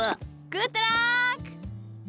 グッドラーック！